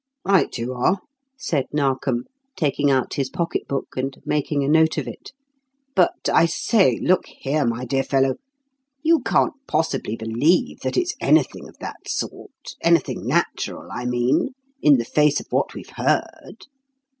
"Right you are," said Narkom, taking out his pocket book and making a note of it. "But, I say, look here, my dear fellow, you can't possibly believe that it's anything of that sort anything natural, I mean in the face of what we've heard?"